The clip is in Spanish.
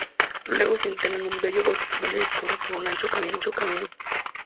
Luego se interna en un bello bosque donde discurre por un ancho camino forestal.